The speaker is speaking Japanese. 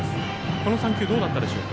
この３球、どうだったでしょう？